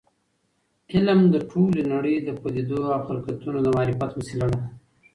علم د ټولې نړۍ د پدیدو او خلقتونو د معرفت وسیله ده.